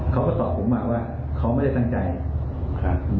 เขาก็ตอบผมมาว่าเขาไม่ได้ตั้งใจครับ